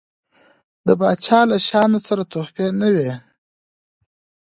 د پاچا له شانه سره تحفې نه وي.